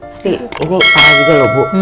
tapi ini parah juga loh bu